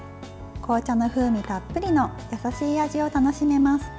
紅茶の風味たっぷりの優しい味を楽しめます。